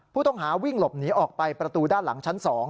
ผู้ต้องหาวิ่งหลบหนีออกไปประตูด้านหลังชั้น๒